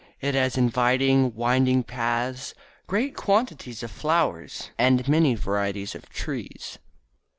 It has inviting, winding paths, great quantities of flowers and many varieties of trees.